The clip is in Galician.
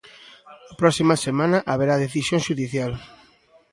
A próxima semana haberá decisión xudicial.